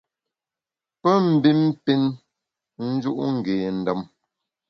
Pe mbin pin nju’ ngé ndem.